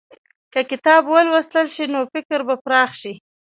که کتاب ولوستل شي، نو فکر به پراخ شي.